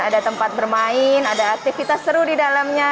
ada tempat bermain ada aktivitas seru di dalamnya